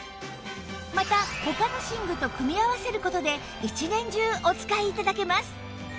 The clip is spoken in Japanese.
また他の寝具と組み合わせる事で一年中お使い頂けます